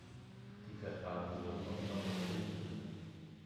Die Verfahren wurden offenbar verbunden.